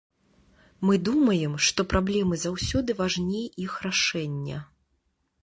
Мы думаем, што праблемы заўсёды важней іх рашэння.